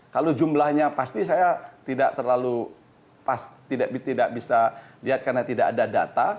kalau jumlahnya pasti saya tidak terlalu tidak bisa lihat karena tidak ada data